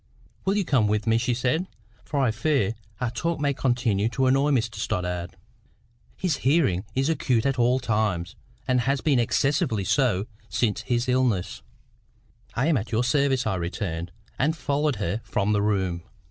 "Will you come with me?" she said; "for I fear our talk may continue to annoy Mr Stoddart. His hearing is acute at all times, and has been excessively so since his illness." "I am at your service," I returned, and followed her from the room.